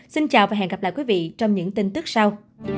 xin chào và hẹn gặp lại quý vị trong những tin tức sau